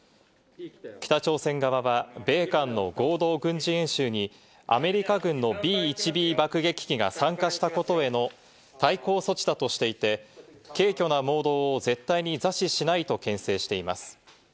北朝鮮側は、米韓の合同軍事演習にアメリカ軍のＢ１Ｂ爆撃機が参加したことへの対抗措置だとしていて、軽挙な妄動を絶対に座視しないと、けん制しています。